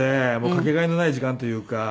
かけがえのない時間というか